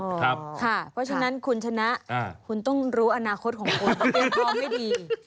ที่ปลอดภัยที่สุดค่ะเพราะฉะนั้นคุณชนะคุณต้องรู้อนาคตของคุณไม่ต้องพร้อมไม่ดี